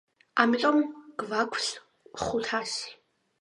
ამიტომ გვაქვს ხუთასი.